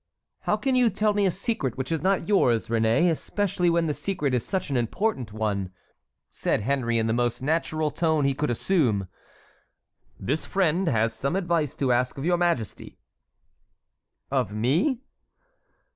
"How can you tell me a secret which is not yours, Réné, especially when the secret is such an important one?" said Henry, in the most natural tone he could assume. "This friend has some advice to ask of your majesty." "Of me?"